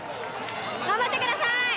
頑張ってください！